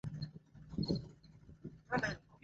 Kijiko cha fedha na sahani ya karatasi